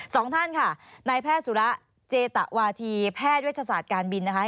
สองท่านค่ะนายแพทย์สุระเจตะวาธีแพทย์เวชศาสตร์การบินนะคะ